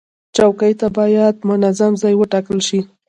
چوکۍ ته باید منظم ځای وټاکل شي.